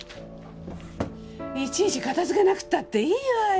いちいち片づけなくったっていいわよ！